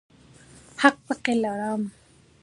حق پکې لرم.